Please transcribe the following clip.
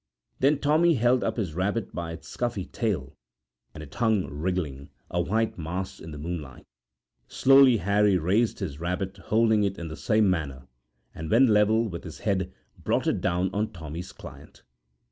Then Tommy held up his rabbit by its scutty tail, and it hung wriggling, a white mass in the moonlight. Slowly Harry raised his rabbit holding it in the same manner, and when level with his head brought it down on Tommy's client.